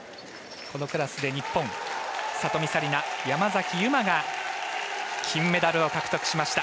このクラスで日本里見紗李奈、山崎悠麻が金メダルを獲得しました。